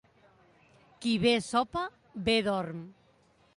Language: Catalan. Qui bé sopa, bé dorm.